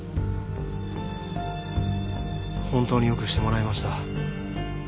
本当によくしてもらいました。